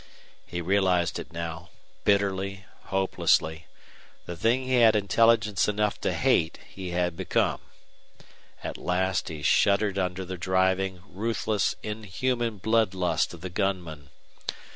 He realized it now, bitterly, hopelessly. The thing he had intelligence enough to hate he had become. At last he shuddered under the driving, ruthless inhuman blood lust of the gunman.